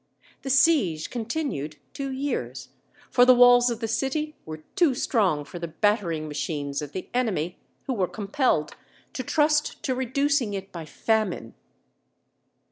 The siege continued two years, for the walls of the city were too strong for the battering machines of the enemy, who were compelled to trust to reducing it by famine.